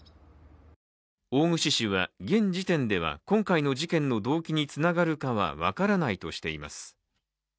大串氏は、現時点では、今回の事件の動機につながるかは分からないとしています。